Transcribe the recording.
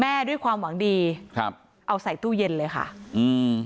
ด้วยความหวังดีครับเอาใส่ตู้เย็นเลยค่ะอืม